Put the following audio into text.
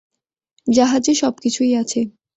জাহাজে সবকিছুই আছে।